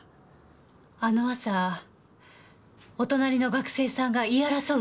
あの朝お隣の学生さんが言い争う